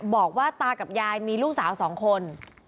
บอกว่าตากับยายมีลูกสาว๒คน